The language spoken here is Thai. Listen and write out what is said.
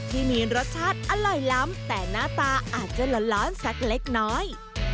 ที่มีรสชาติอร่อยล้ำแต่หน้าตาอาจจะร้อนสักเล็กน้อย